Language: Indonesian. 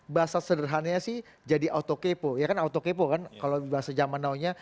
bahasa sederhananya sih jadi auto kepo ya kan auto kepo kan kalau bahasa zaman now nya